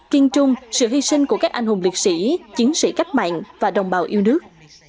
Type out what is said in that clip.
kiên trung sự hy sinh của các anh hùng liệt sĩ chiến sĩ cách mạng và đồng bào yêu nước